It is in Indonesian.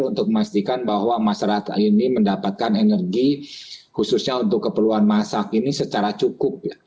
untuk memastikan bahwa masyarakat ini mendapatkan energi khususnya untuk keperluan masak ini secara cukup